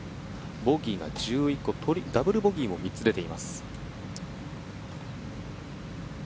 ボギーが１１個ダブルボギーも３つ出ています。